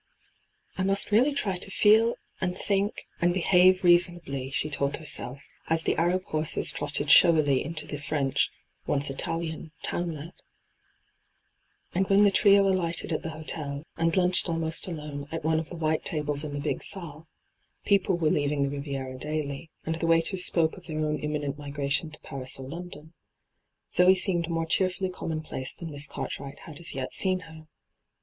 ' I must really try to feel and think and behave reasonably,' she told herself, as the Arab horses trotted showily into the French, once Italian, townlet. And when the trio alighted at the hotel, and lunched almost alone at one of the white tables in the big salle — people were leaving the Riviera daily, and the waiters spoke of their own imminent migration to Paris or Ijondon — Zoe seemed more cheerfully commonplace than Miss Cart wright had as yet seen her.